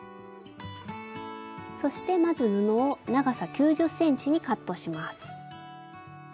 そしてまず布を長さ９０ｃｍにカットします。